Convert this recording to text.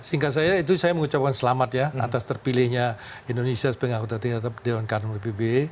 singkat saja itu saya mengucapkan selamat ya atas terpilihnya indonesia sebagai anggota tidak tetap di dalam kmu pb